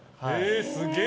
すげえ。